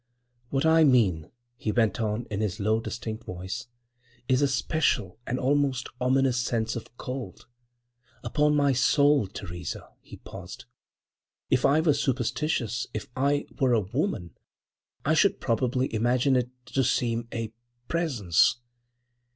"What I mean," he went on, in his low, distinct voice, "is a special, an almost ominous sense of cold. Upon my soul, Theresa,"—he paused—"if I were superstitious, if I were a woman, I should probably imagine it to seem—a presence!"